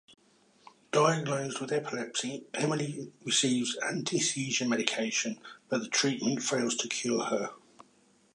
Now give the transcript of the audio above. Diagnosed with epilepsy, Emily receives anti-seizure medication but the treatment fails to cure her.